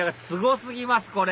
すご過ぎます！